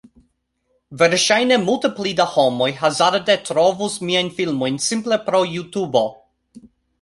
Verŝajne multe pli da homoj hazarde trovus miajn filmojn simple pro JuTubo